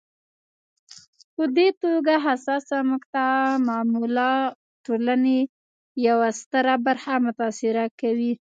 په دې توګه حساسه مقطعه معمولا ټولنې یوه ستره برخه متاثره کوي.